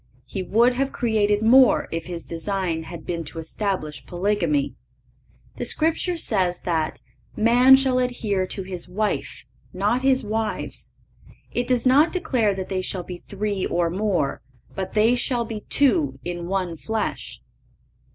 He would have created more, if His design had been to establish polygamy. The Scripture says that "man shall adhere to his wife,"—not his wives. It does not declare that they shall be three or more, but that "they shall be two in one flesh."